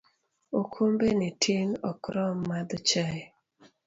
Okombe ni tin ok rom madho chai